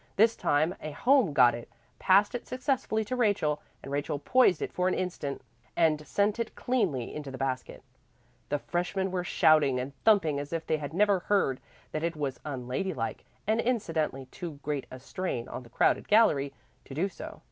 This time a home got it, passed it successfully to Rachel, and Rachel poised it for an instant and sent it cleanly into the basket. The freshmen were shouting and thumping as if they had never heard that it was unlady like (and incidentally too great a strain on the crowded gallery) to do so.